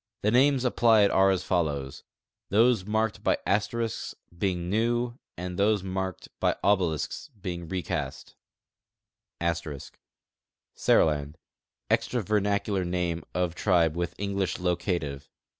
The names a])])lied are as follows, those marked bv asterisks being new and those marked by obelisks being recast :* Seriland: Extra vernacular name of tribe with English locative.